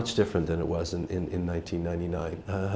sẽ rất hài hòa